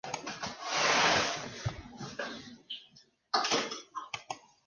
You damned fools.